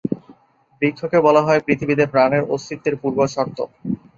বৃক্ষকে বলা হয় পৃথিবীতে প্রাণের অস্তিত্বের পূর্বশর্ত।